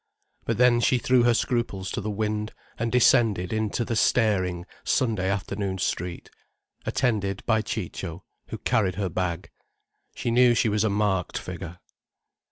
But then she threw her scruples to the wind, and descended into the staring, Sunday afternoon street, attended by Ciccio, who carried her bag. She knew she was a marked figure.